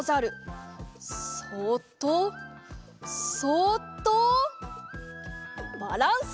そっとそっとバランス！